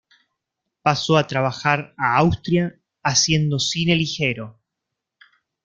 Pasó a trabajar a Austria, haciendo cine ligero.